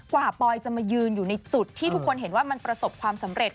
ปอยจะมายืนอยู่ในจุดที่ทุกคนเห็นว่ามันประสบความสำเร็จ